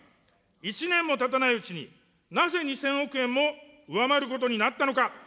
１年もたたないうちになぜ２０００億円も上回ることになったのか。